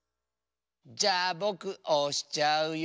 じゃあぼくおしちゃうよ。